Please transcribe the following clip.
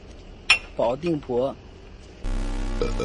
保定伯。